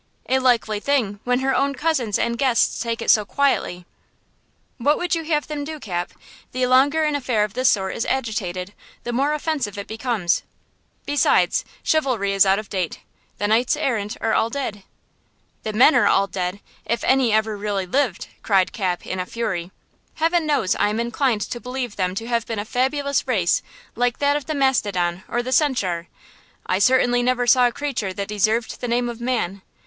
"A likely thing, when her own cousins and guests take it so quietly." "What would you have them do, Cap? The longer an affair of this sort is agitated, the more offensive it becomes! Besides, chivalry is out of date! The knights errant are all dead." "The men are all dead! If any ever really lived!" cried Cap, in a fury. "Heaven knows I am inclined to believe them to have been a fabulous race like that of the mastodon or the centaur! I certainly never saw a creature that deserved the name of man!